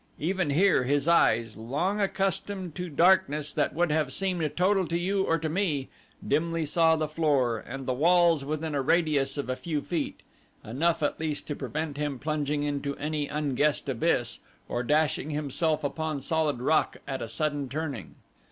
Even here his eyes, long accustomed to darkness that would have seemed total to you or to me, saw dimly the floor and the walls within a radius of a few feet enough at least to prevent him plunging into any unguessed abyss, or dashing himself upon solid rock at a sudden turning.